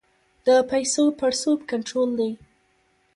د پیسو پړسوب کنټرول دی؟